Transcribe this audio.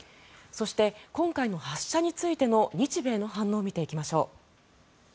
そして、今回の発射について日米の反応を見ていきましょう。